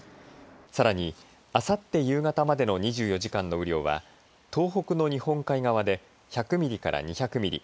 さらにあさって夕方までの２４時間の雨量は東北の日本海側で１００ミリから２００ミリ